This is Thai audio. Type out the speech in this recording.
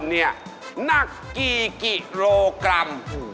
หนักกี่กิโลกรัม